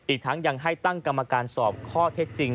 อีกทั้งยังให้ตั้งกรรมการสอบข้อเท็จจริง